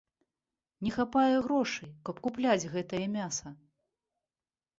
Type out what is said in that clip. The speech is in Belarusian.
Не хапае грошай, каб купляць гэтае мяса.